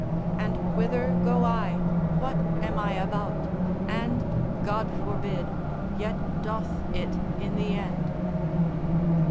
And whither go I, what am I about? And God forbid, yet doth it in the end.